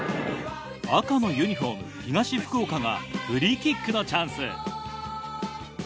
赤のユニホーム東福岡がフリーキックのチャンス。